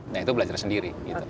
nah itu belajar sendiri